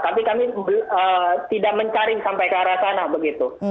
tapi kami tidak mencari sampai ke arah sana begitu